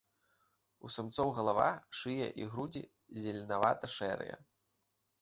У самцоў галава, шыя і грудзі зеленавата-шэрыя.